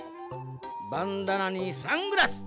バンダナにサングラス。